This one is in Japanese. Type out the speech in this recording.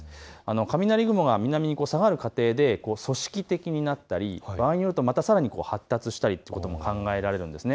雷雲が南に下がる過程で組織的になったり場合によるとさらに発達したりということも考えられるんですね。